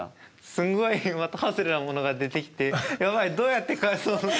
すっごい的外れなものが出てきて「やばいどうやって返そう」って。